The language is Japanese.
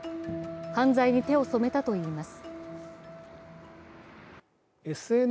犯罪に手を染めたといいます。